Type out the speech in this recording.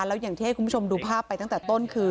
แล้วอย่างที่ให้คุณผู้ชมดูภาพไปตั้งแต่ต้นคือ